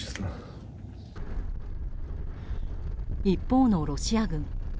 一方のロシア軍。